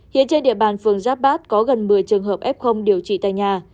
hiện trên địa bàn phường giáp bát có gần một mươi trường hợp ép không điều trị tại nhà